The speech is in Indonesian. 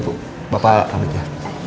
ya bu bapak salim ya